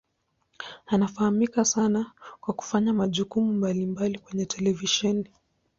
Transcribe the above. Anafahamika sana kwa kufanya majukumu mbalimbali kwenye televisheni.